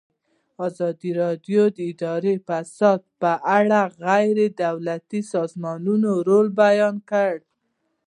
ازادي راډیو د اداري فساد په اړه د غیر دولتي سازمانونو رول بیان کړی.